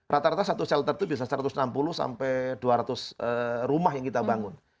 rata rata satu shelter itu bisa satu ratus enam puluh sampai dua ratus rumah yang kita bangun